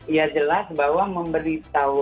ya jelas bahwa memberitahu